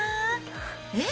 え？